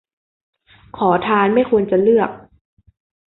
ขอทานไม่ควรจะเลือก